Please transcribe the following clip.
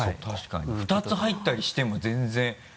確かに２つ入ったりしても全然？